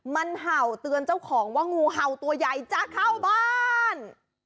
มันเห่าเตือนเจ้าของว่างูเห่าตัวใหญ่จะเข้าบ้าน